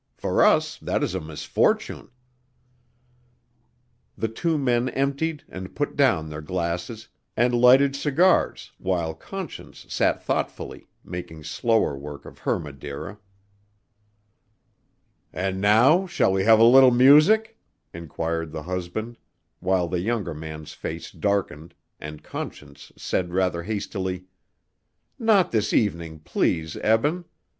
For us that is a misfortune." The two men emptied and put down their glasses and lighted cigars while Conscience sat thoughtfully, making slower work of her Madeira. "And now shall we have a little music?" inquired the husband, while the younger man's face darkened, and Conscience said rather hastily: "Not this evening, please, Eben.